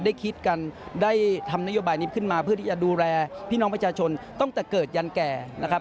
คิดกันได้ทำนโยบายนี้ขึ้นมาเพื่อที่จะดูแลพี่น้องประชาชนตั้งแต่เกิดยันแก่นะครับ